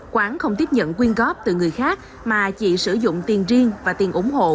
quán không tiếp nhận quyên góp từ người khác mà chị sử dụng tiền riêng và tiền ủng hộ